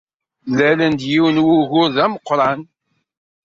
Mlalen-d yiwen n wugur d ameqran.